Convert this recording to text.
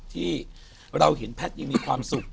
ที่เราเห็นแพทย์ยังมีความสุข